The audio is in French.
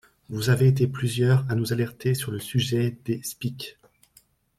Vous avez été plusieurs à nous alerter sur le sujet des SPIC.